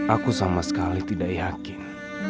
aku sama sekali tidak yakin